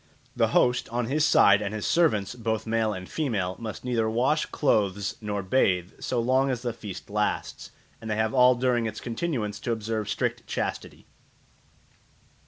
The host, on his side, and his servants, both male and female, must neither wash clothes nor bathe so long as the feast lasts, and they have all during its continuance to observe strict chastity.